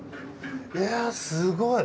いやすごい！